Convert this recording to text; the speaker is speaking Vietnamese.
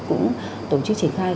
cũng tổ chức triển khai